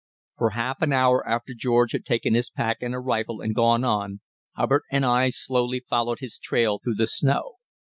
For half an hour after George had taken his pack and a rifle and gone on, Hubbard and I slowly followed his trail through the snow.